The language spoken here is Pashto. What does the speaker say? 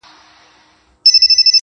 هغه هم بدې بخیلې سرکؤدنې